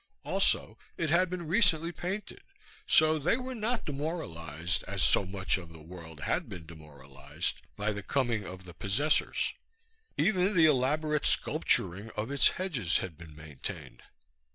Also it had been recently painted; so they were not demoralized, as so much of the world had been demoralized, by the coming of the possessors. Even the elaborate sculpturing of its hedges had been maintained.